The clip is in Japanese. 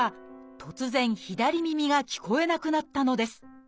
突然左耳が聞こえなくなったのです。